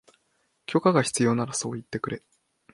許可が必要ならそう言ってくれ